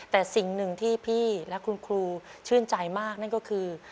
แต่สิ่งหนึ่งที่พี่และคุณครูชื่นใจมากนั่นก็คือ